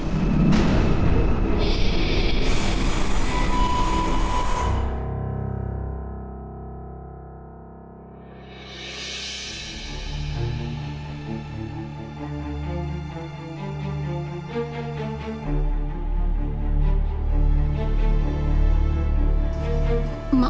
sudah jangan buka